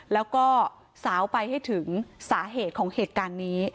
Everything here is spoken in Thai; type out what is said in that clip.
แล้วก็สาวไปให้ถึงสาเหตุของเหตุการณ์นี้